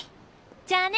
じゃあね。